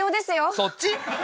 そっち？